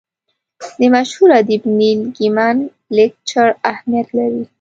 د مشهور ادیب نیل ګیمن لیکچر اهمیت لري.